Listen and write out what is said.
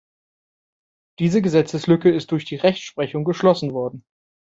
Diese Gesetzeslücke ist durch die Rechtsprechung geschlossen worden.